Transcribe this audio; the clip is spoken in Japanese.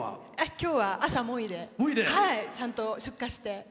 今日は、朝もいでちゃんと出荷して。